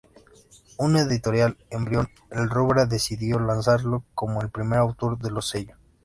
Un editorial embrión, el Rubra, decidió lanzarlo como el primer autor de lo sello.